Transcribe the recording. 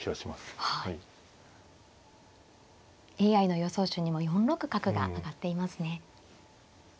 ＡＩの予想手にも４六角が挙がっていますね。